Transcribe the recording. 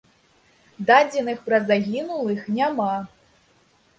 Дадзеных пра загінулых няма.